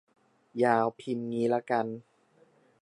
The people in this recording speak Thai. ยาว พิมพ์งี้ละกัน